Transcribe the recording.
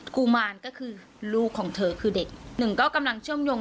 กุมารก็คือลูกของเธอคือเด็กหนึ่งก็กำลังเชื่อมโยง